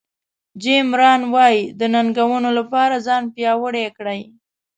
جیم ران وایي د ننګونو لپاره ځان پیاوړی کړئ.